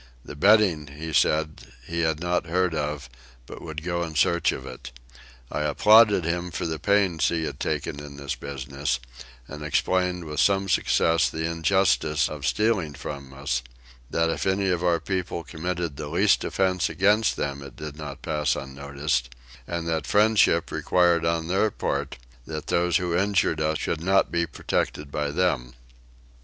The bedding, he said, he had not heard of, but would go in search of it. I applauded him for the pains he had taken in this business, and explained with some success the injustice of stealing from us: that if any of our people committed the least offence against them it did not pass unnoticed; and that friendship required on their part that those who injured us should not be protected by them.